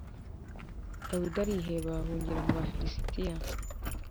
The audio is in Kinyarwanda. dawidi ariheba, ahungira mu bafilisitiya